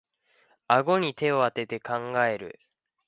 あごに手をあてて考える